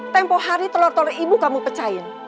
tempoh hari telur telur ibu kamu pecahin